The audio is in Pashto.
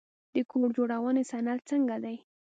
د کور جوړونې صنعت څنګه دی؟